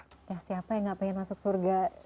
siapa yang tidak ingin masuk surga